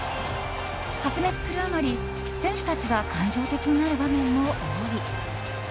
白熱するあまり、選手たちが感情的になる場面も多い。